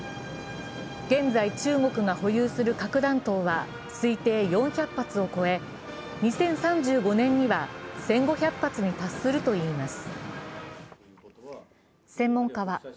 現在、中国が保有する核弾頭は推定４００発を超え、２０３５年には１５００発に達するといいます。